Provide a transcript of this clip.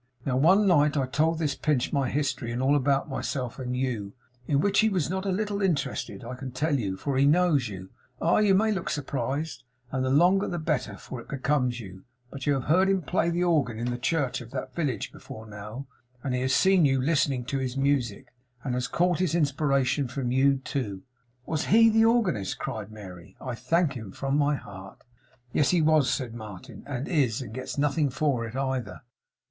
Now one night I told this Pinch my history, and all about myself and you; in which he was not a little interested, I can tell you, for he knows you! Aye, you may look surprised and the longer the better for it becomes you but you have heard him play the organ in the church of that village before now; and he has seen you listening to his music; and has caught his inspiration from you, too!' 'Was HE the organist?' cried Mary. 'I thank him from my heart!' 'Yes, he was,' said Martin, 'and is, and gets nothing for it either.